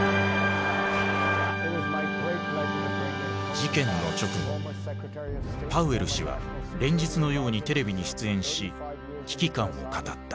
事件の直後パウエル氏は連日のようにテレビに出演し危機感を語った。